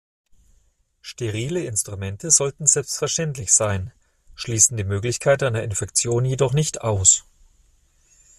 Sterile Instrumente sollten selbstverständlich sein, schließen die Möglichkeit einer Infektion jedoch nicht aus.